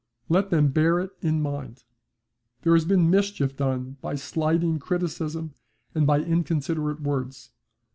Let them bear it in mind. There has been mischief done by slighting criticism and by inconsiderate words.